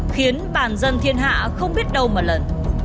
khiến bản dân thiên hạ không biết đâu mà lần